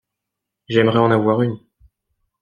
J’aimerais en avoir une.